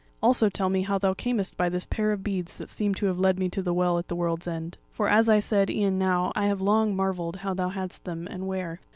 Also tell me how thou camest by this pair of beads that seem to have led me to the Well at the World's End? For as I said e'en now, I have long marvelled how thou hadst them and where."